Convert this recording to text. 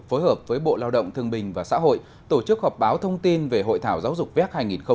phối hợp với bộ lao động thương bình và xã hội tổ chức họp báo thông tin về hội thảo giáo dục vec hai nghìn một mươi chín